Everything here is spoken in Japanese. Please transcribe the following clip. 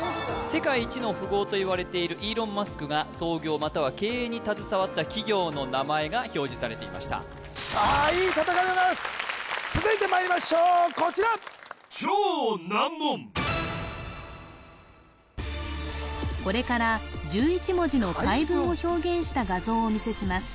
世界一の富豪といわれているイーロン・マスクが創業または経営に携わった企業の名前が表示されていましたさあいい戦いでございます続いてまいりましょうこちらこれから１１文字の回文を表現した画像をお見せします